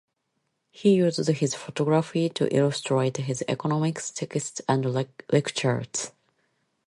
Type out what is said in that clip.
He used his photography to illustrate his economics texts and lectures.